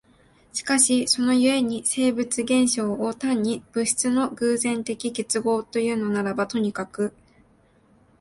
しかしその故に生物現象を単に物質の偶然的結合というのならばとにかく、